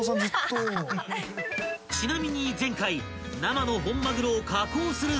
［ちなみに前回生の］